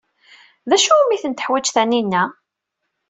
D acu umi ten-teḥwaj Taninna?